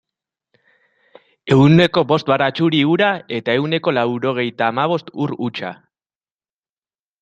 Ehuneko bost baratxuri ura eta ehuneko laurogeita hamabost ur hutsa.